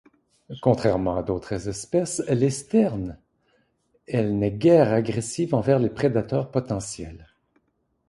Contrairement à d'autres espèces de sternes, elle n'est guère agressive envers les prédateurs potentiels.